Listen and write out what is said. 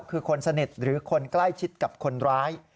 คือคนสนิทหรือคนใกล้ชิดกับคนร้าย